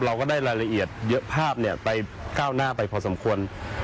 เราก็ได้รายละเอียดเยอะภาพไปก้าวหน้าไปพอสมควร